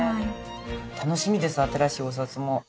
楽しみです新しいお札も。